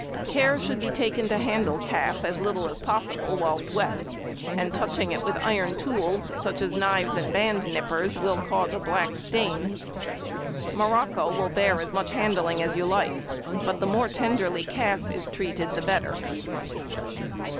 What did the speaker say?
Care should be taken to handle calf as little as possible whilst wet, and touching it with iron tools, such as knives and band nippers, will cause a black stain. Morocco will bear as much handling as you like, but the more tenderly calf is treated the better.